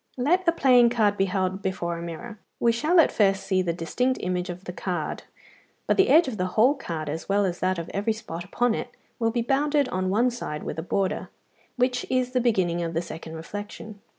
Let a playing card be held before a mirror. We shall at first see the distinct image of the card, but the edge of the whole card, as well as that of every spot upon it, will be bounded on one side with a border, which is the beginning of the second reflection.